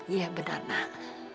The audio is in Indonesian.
iya benar nak